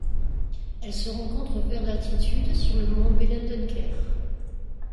Elle se rencontre vers d'altitude sur le mont Bellenden Ker.